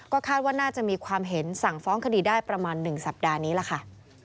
คาดว่าน่าจะมีความเห็นสั่งฟ้องคดีได้ประมาณ๑สัปดาห์นี้ล่ะค่ะ